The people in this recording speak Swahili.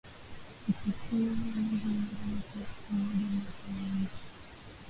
ichukuwe mwezi mmoja mwaka mmoja miaka miwili